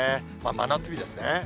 真夏日ですね。